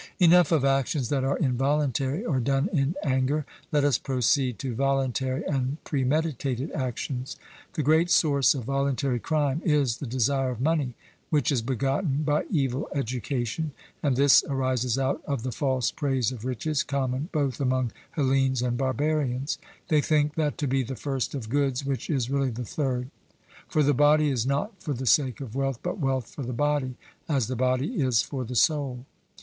Enough of actions that are involuntary, or done in anger; let us proceed to voluntary and premeditated actions. The great source of voluntary crime is the desire of money, which is begotten by evil education; and this arises out of the false praise of riches, common both among Hellenes and barbarians; they think that to be the first of goods which is really the third. For the body is not for the sake of wealth, but wealth for the body, as the body is for the soul.